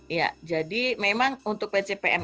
iya jadi memang untuk pcpm